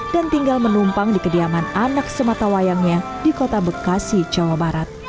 dan tinggal menumpang di kediaman anak sematawayangnya di kota bekasi jawa barat